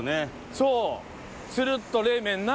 そうつるっと冷麺な。